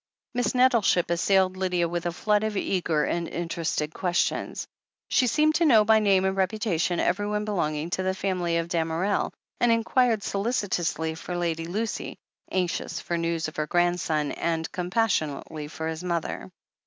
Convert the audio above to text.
Miss Nettleship assailed Lydia with a flood of eager and interested questions. She seemed to know by name and reputation everyone belonging to the family of Damerel, and inquired solicitously for Lady Lucy, anxiously for news of her grandson, and compassion ately for his mother.